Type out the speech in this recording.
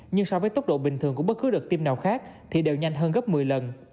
nhưng so với tốc độ bình thường của bất cứ đợt tim nào khác thì đều nhanh hơn gấp một mươi lần